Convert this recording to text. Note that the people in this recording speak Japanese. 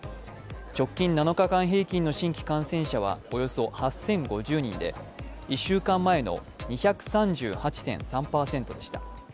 直近７日間平均の新規感染者はおよそ８０５０人で１週間前の２３８．３％でした。